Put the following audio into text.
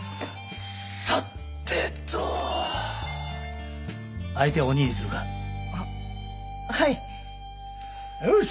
さてと相手は鬼にするかははいよし！